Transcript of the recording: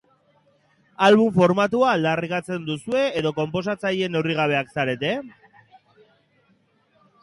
Album formatua aldarrikatzen duzue edo konposatzaile neurrigabeak zarete?